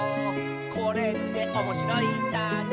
「これっておもしろいんだね」